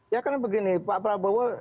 ya karena begini pak prabowo